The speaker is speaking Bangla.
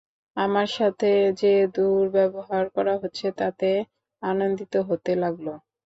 আমার সাথে যে দুর্ব্যবহার করা হচ্ছে তাতে আনন্দিত হতে লাগল।